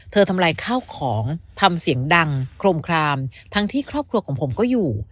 ทำลายข้าวของทำเสียงดังโครมคลามทั้งที่ครอบครัวของผมก็อยู่